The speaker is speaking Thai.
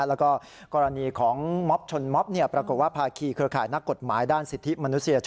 แล้วก็กรณีของม็อบชนม็อบปรากฏว่าภาคีเครือข่ายนักกฎหมายด้านสิทธิมนุษยชน